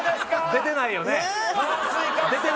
出てないよね。